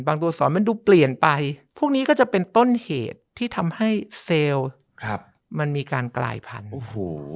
บางตัวอักษรมันดูเปลี่ยนไปพวกนี้ก็จะเป็นต้นเหตุที่ทำให้เซลล์มันมีการกลายพันธุ์